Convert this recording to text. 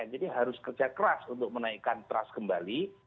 jadi harus kerja keras untuk menaikkan trust kembali